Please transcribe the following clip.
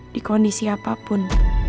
di kondisi apapun